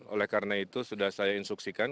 oleh karena itu sudah saya instruksikan